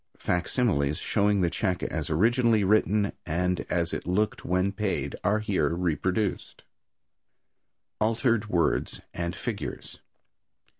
Facsimiles showing the check as originally written and as it looked when paid are here reproduced. Altered Words and Figures.